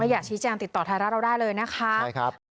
อยากชี้แจงติดต่อไทยรัฐเราได้เลยนะคะ